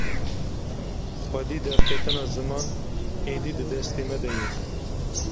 Xwedî derketina ziman êdî di destê me de ye.